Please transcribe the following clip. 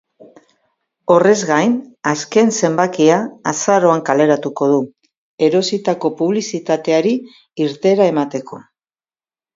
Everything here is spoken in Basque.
Horrez gain, azken zenbakia azaroan kaleratuko du, erositako publizitateari irteera emateko.